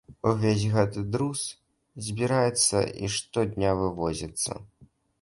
Увесь гэты друз збіраецца і штодня вывозіцца.